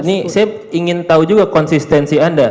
ini saya ingin tahu juga konsistensi anda